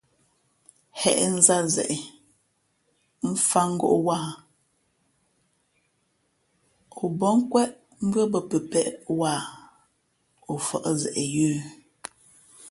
Hěʼ nzāt zeʼe, mfāt ngōʼ wāha o bά nkwéʼ mbʉ́άbᾱ pəpēʼ wāha o fα̌ʼ zeʼ yə̌.